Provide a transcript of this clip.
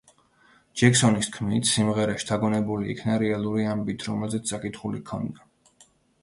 ჯექსონის თქმით, სიმღერა შთაგონებული იქნა რეალური ამბით, რომელზეც წაკითხული ჰქონდა.